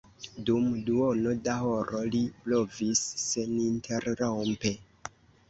Dum duono da horo li blovis seninterrompe.